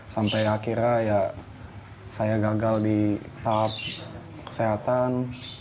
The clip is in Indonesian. sampai akhirnya ya saya gagal di tahap kesehatan